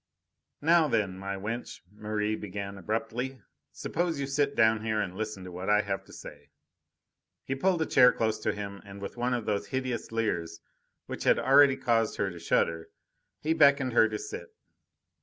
"Now then, my wench," Merri began abruptly, "suppose you sit down here and listen to what I have to say." He pulled a chair close to him and, with one of those hideous leers which had already caused her to shudder, he beckoned her to sit.